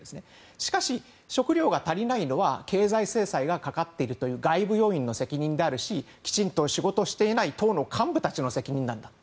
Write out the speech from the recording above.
しかし、食糧が足りないのは経済制裁がかかっている外部要因の責任であるしきちんと仕事をしていない党幹部の責任なんだと。